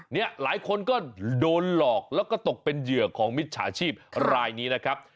เนี่ยหลายคนก็โดนหลอกแล้วก็ตกเป็นเหยื่อของมิจฉาชีพรายนี้นะครับ